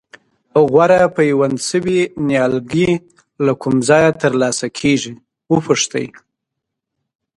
غوره پیوند شوي نیالګي له کوم ځایه ترلاسه کېږي وپوښتئ.